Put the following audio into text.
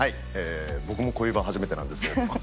僕もこういう場は初めてなんですけれども。